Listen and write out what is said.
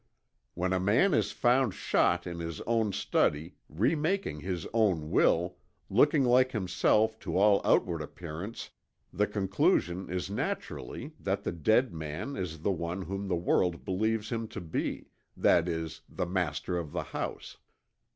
"When a man is found shot in his own study, remaking his own will, looking like himself to all outward appearance, the conclusion is naturally that the dead man is the one whom the world believes him to be, that is, the master of the house.